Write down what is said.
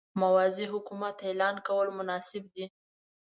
موازي حکومت اعلان کول مناسب نه دي.